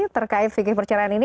terkait fikir perceraian ini